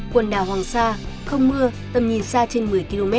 quần đảo hoàng sa không mưa tầm nhìn xa trên một mươi km